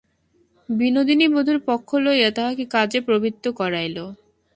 বিনোদিনী বধূর পক্ষ লইয়া তাহাকে কাজে প্রবৃত্ত করাইল।